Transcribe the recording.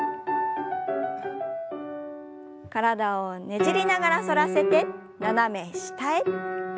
体をねじりながら反らせて斜め下へ。